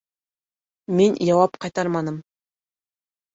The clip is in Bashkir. Мин яуап ҡайтарманым.